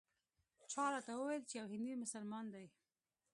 چا راته وویل یو هندي مسلمان دی.